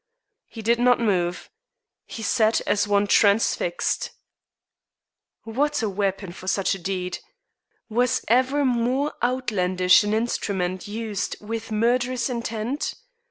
He did not move. He sat as one transfixed. What a weapon for such a deed! Was ever more outlandish instrument used with murderous intent?